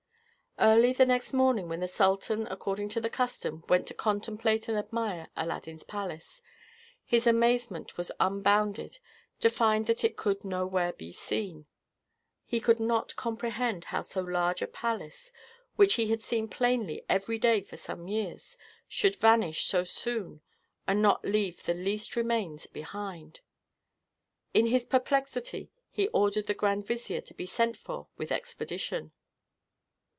Early the next morning when the sultan, according to custom, went to contemplate and admire Aladdin's palace, his amazement was unbounded to find that it could nowhere be seen. He could not comprehend how so large a palace, which he had seen plainly every day for some years, should vanish so soon and not leave the least remains behind. In his perplexity he ordered the grand vizier to be sent for with expedition.